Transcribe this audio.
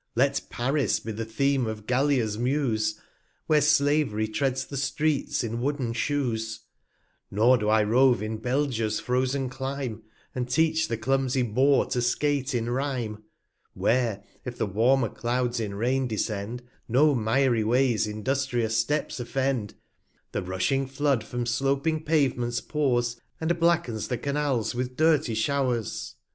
Let Taris be the Theme of Gallias Muse, 85 Where Slav'ry treads the Streets in wooden Shoes; Nor do I rove in TSelgicis frozen Clime, And teach the clumsy Boor to skate in Rhyme, Where, if the warmer Clouds in Rain descend, No miry Ways industrious Steps offend, 90 The rushing Flood from sloping Pavements pours, And blackens the Canals with dirty Show'rs.